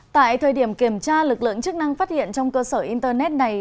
tại thời điểm kiểm tra lực lượng chức năng phát hiện trong cơ sở internet này